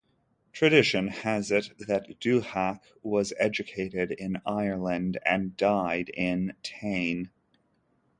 Tradition has it that Duthac was educated in Ireland and died in Tain.